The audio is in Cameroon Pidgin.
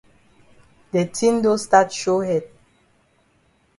De tin don stat show head.